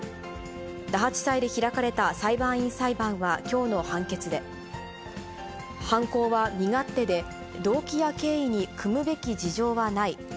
那覇地裁で開かれた裁判員裁判はきょうの判決で、犯行は身勝手で、動機や経緯に酌むべき事情はない。